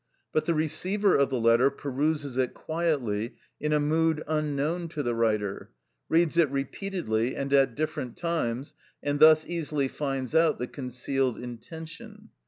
But the receiver of the letter peruses it quietly in a mood unknown to the writer, reads it repeatedly and at different times, and thus easily finds out the concealed intention.